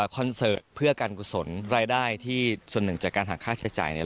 เสิร์ตเพื่อการกุศลรายได้ที่ส่วนหนึ่งจากการหาค่าใช้จ่ายเนี่ย